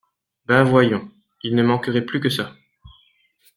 Ben voyons... Il ne manquerait plus que ça.